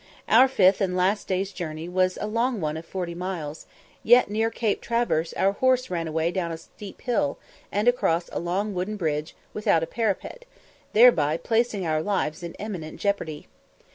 Our fifth and last day's journey was a long one of forty miles, yet near Cape Traverse our horse ran away down a steep hill, and across a long wooden bridge without a parapet, thereby placing our lives in imminent jeopardy.